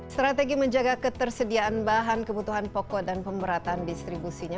strategi menjaga ketersediaan bahan kebutuhan pokok dan pemberatan distribusinya